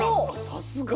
さすが。